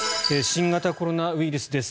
新型コロナウイルスです。